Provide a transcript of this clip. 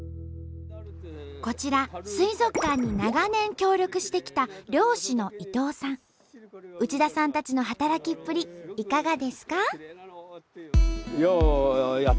こちら水族館に長年協力してきた漁師の内田さんたちの働きっぷりいかがですか？